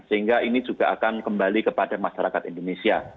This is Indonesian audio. sehingga ini juga akan kembali kepada masyarakat indonesia